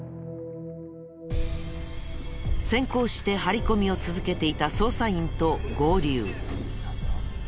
先行して張り込みを続けていた捜査員と合流。